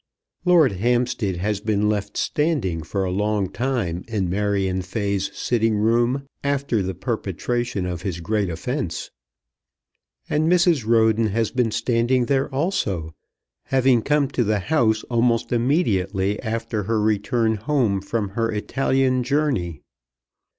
Lord Hampstead has been left standing for a long time in Marion Fay's sitting room after the perpetration of his great offence, and Mrs. Roden has been standing there also, having come to the house almost immediately after her return home from her Italian journey.